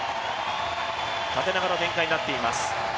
縦長の展開になっています。